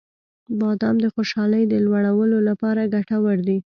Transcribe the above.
• بادام د خوشحالۍ د لوړولو لپاره ګټور دی.